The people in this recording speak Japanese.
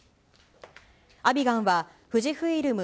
アビガンは、富士フイルム